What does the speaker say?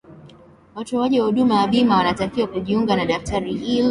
watoaji wa huduma za bima wanatakiwa kujiunga na daftari hilo